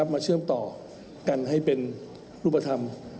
เชื่อมต่อกันให้เป็นรูปธรรม